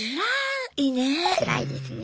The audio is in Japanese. つらいですね。